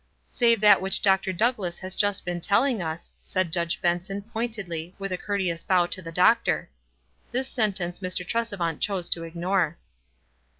" Save that which Dr. Douglass has just been telling us," said Judge Benson, pointedly, with a courteous bow to the doctor. This sentence Mr. Tresevant chose to ignore.